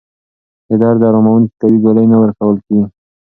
د درد اراموونکې قوي ګولۍ نه ورکول کېږي.